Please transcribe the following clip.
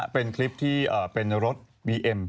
เป็นคลิปที่เป็นรถบีเอ็ม